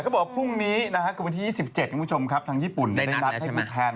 เขาบอกว่าพรุ่งนี้ทางวันที่๒๗ทางญี่ปุ่นได้รับแทนให้คุณแทน